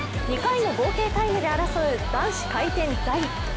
２回の合計タイムで争う男子回転座位。